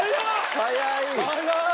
早い！